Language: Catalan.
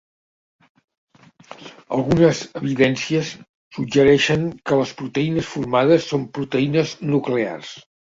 Algunes evidències suggereixen que les proteïnes formades són proteïnes nuclears.